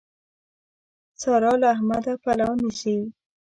سارا له احمده پلو نيسي.